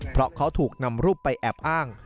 เพราะเขาถูกนำรูปไปแอบอ้าง